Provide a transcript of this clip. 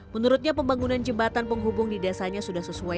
menurutnya pembangunan jembatan penghubung di desanya sudah sesuai